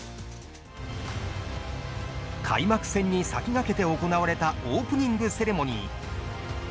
開幕戦に先駆けて行われたオープニングセレモニー。